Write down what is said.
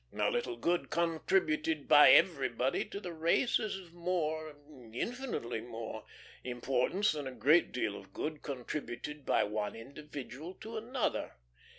A little good contributed by everybody to the race is of more, infinitely more, importance than a great deal of good contributed by one individual to another."